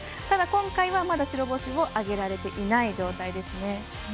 ただ、今回はまだ白星を挙げられていない状態ですね。